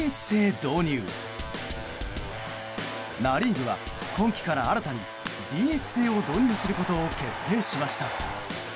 ナ・リーグは今季から新たにＤＨ制を導入することを決定しました。